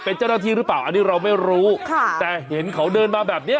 เป็นเจ้าหน้าที่หรือเปล่าอันนี้เราไม่รู้ค่ะแต่เห็นเขาเดินมาแบบเนี้ย